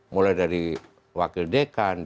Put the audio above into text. mulai dari wakil dekan